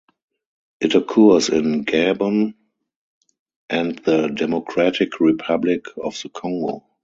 It occurs in Gabon and the Democratic Republic of the Congo.